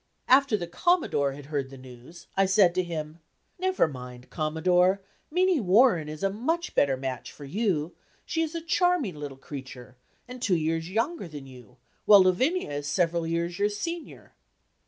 After the Commodore had heard the news, I said to him: "Never mind, Commodore, Minnie Warren is a better match for you; she is a charming little creature, and two years younger than you, while Lavinia is several years your senior."